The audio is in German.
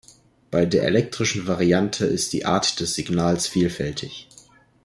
Bei der elektrischen Variante ist die Art des Signals vielfältig.